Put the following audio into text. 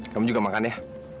kamu juga makan ya